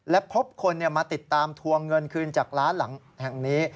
และพบคนมาติดตามทวงเงินคืนจากร้านหลังแห่งนี้